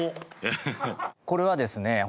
これはですね